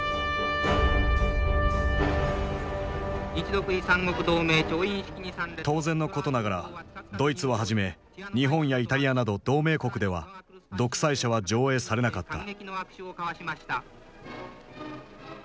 日独伊三国同盟調印式に参列当然のことながらドイツをはじめ日本やイタリアなど同盟国では「独裁者」は上映されなかった。